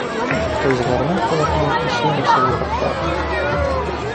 Той згарнуў палатно і сунуў сабе пад паху.